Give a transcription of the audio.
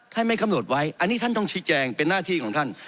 ไม่กำหนดไว้อันนี้ท่านต้องชี้แจงเป็นหน้าที่ของท่าน